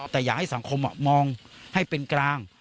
แต่อยากให้สังคมมองให้เป็นกลาง